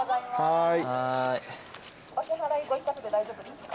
お支払いご一括で大丈夫ですか？